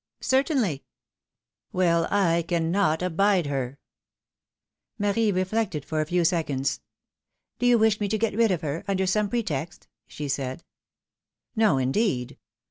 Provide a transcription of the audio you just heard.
'^" Certainly ! "Well, I cannot abide her Marie reflected for a few seconds. " Do you wish me to get rid of her ; under some pre text?'^ she said. " No, indeed